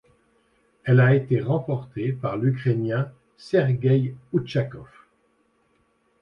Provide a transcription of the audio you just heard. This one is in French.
Elle a été remportée par l'Ukrainien Sergueï Outschakov.